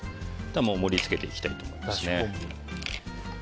盛り付けていきたいと思います。